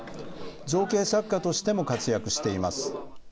造形作家としても活躍しています。